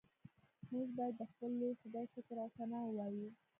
موږ باید د خپل لوی خدای شکر او ثنا ووایو